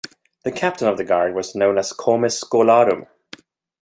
The captain of the guard was known as "comes scholarum".